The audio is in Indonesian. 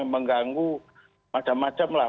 mengganggu macam macam lah